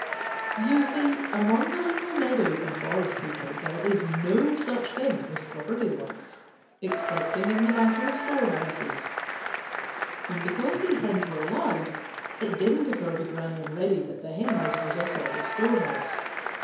You see, among the little meadow and forest people there is no such thing as property rights, excepting in the matter of storehouses, and because these hens were alive, it didn't occur to Granny and Reddy that the henhouse was a sort of storehouse.